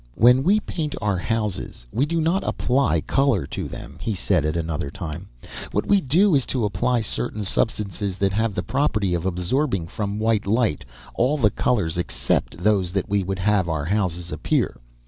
"When we paint our houses, we do not apply color to them," he said at another time. "What we do is to apply certain substances that have the property of absorbing from white light all the colors except those that we would have our houses appear.